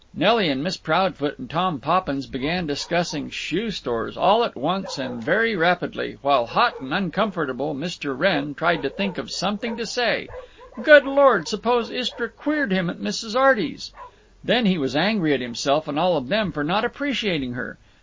Nelly and Miss Proudfoot and Tom Poppins began discussing shoe stores, all at once and very rapidly, while hot and uncomfortable Mr. Wrenn tried to think of something to say…. Good Lord, suppose Istra "queered" him at Mrs. Arty's!… Then he was angry at himself and all of them for not appreciating her.